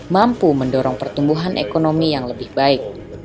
mampu mendorong pertumbuhan ekonomi yang lebih baik